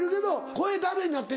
声ダメになってんねん。